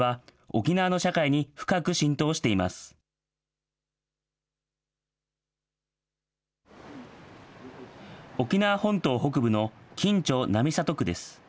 沖縄本島北部の金武町並里区です。